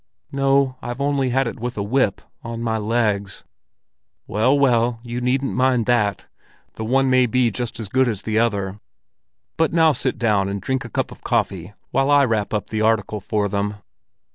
"No, I've only had it with a whip—on my legs." "Well, well, you needn't mind that; the one may be just as good as the other. But now sit down and drink a cup of coffee while I wrap up the article for them."